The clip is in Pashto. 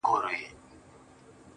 هغه په روغ زړه اگاه نه ده بيا يې وويله